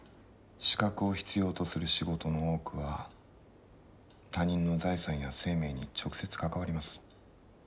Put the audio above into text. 資格を必要とする仕事の多くは他人の財産や生命に直接関わります。